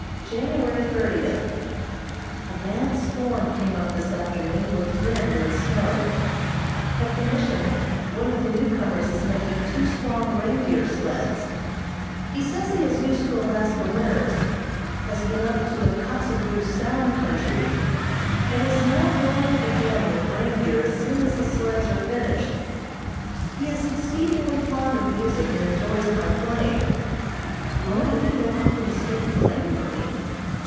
January thirtieth: A bad storm came up this afternoon with wind and snow. At the Mission one of the newcomers is making two strong reindeer sleds. He says he is used to Alaska winters, has been up into the Kotzebue Sound country, and is now going again with reindeer as soon as his sleds are finished. He is exceedingly fond of music, and enjoys my playing. I wonder if he will offer to stake a claim for me!